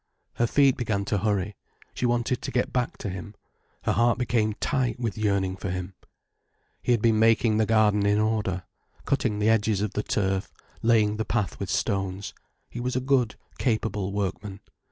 Her feet began to hurry. She wanted to get back to him. Her heart became tight with yearning for him. He had been making the garden in order, cutting the edges of the turf, laying the path with stones. He was a good, capable workman.